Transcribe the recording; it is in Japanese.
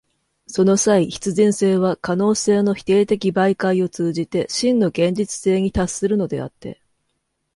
その際、必然性は可能性の否定的媒介を通じて真の現実性に達するのであって、